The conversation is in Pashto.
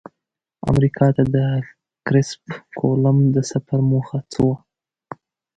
امریکا ته د کرسف کولمب د سفر موخه څه وه؟